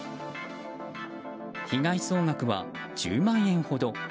被害総額は、１０万円ほど。